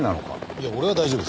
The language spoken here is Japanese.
いや俺は大丈夫です。